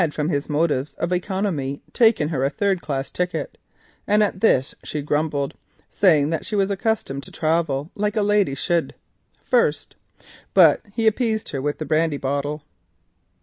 From motives of economy he had taken her a third class ticket, and at this she grumbled, saying that she was accustomed to travel, like a lady should, first; but he appeased her with the brandy bottle.